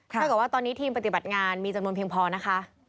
ถ้าเกิดว่าตอนนี้ทีมปฏิบัติงานมีจำนวนเพียงพอนะคะ